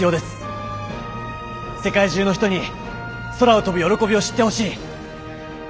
世界中の人に空を飛ぶ喜びを知ってほしい。